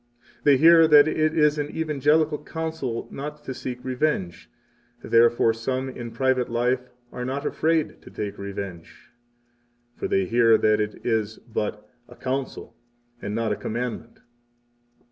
54 They hear that it is an evangelical counsel not to seek revenge; therefore some in private life are not afraid to take revenge, for they hear that it is but a counsel, and 55 not a commandment.